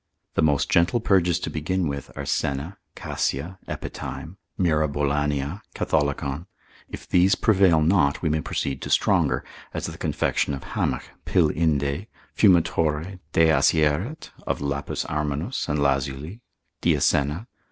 The most gentle purges to begin with, are senna, cassia, epithyme, myrabolanea, catholicon: if these prevail not, we may proceed to stronger, as the confection of hamech, pil. Indae, fumitoriae, de assaieret, of lapis armenus and lazuli, diasena.